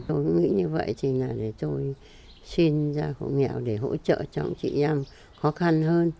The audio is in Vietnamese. tôi nghĩ như vậy thì là để tôi xin ra cụ nghèo để hỗ trợ cho chị em khó khăn hơn